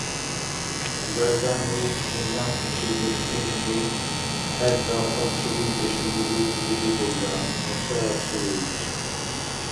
Дарган мез низамличи дуршнилизир хӀед дахъал чедибдешуни диубли дигулра, Муса Расулович!